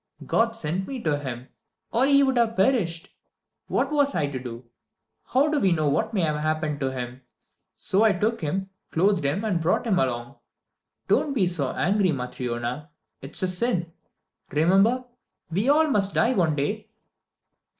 God sent me to him, or he would have perished. What was I to do? How do we know what may have happened to him? So I took him, clothed him, and brought him along. Don't be so angry, Matryona. It is a sin. Remember, we all must die one day."